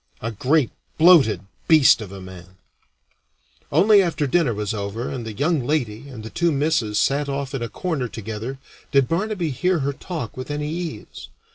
A great bloated beast of a man! Only after dinner was over and the young lady and the two misses sat off in a corner together did Barnaby hear her talk with any ease.